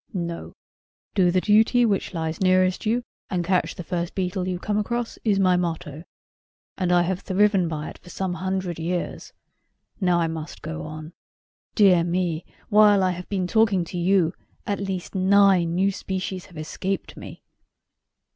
"No. Do the duty which lies nearest you, and catch the first beetle you come across, is my motto; and I have thriven by it for some hundred years. Now I must go on. Dear me, while I have been talking to you, at least nine new species have escaped me."